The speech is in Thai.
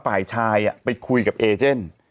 ฝ่ายชายไปคุยกับเอเจน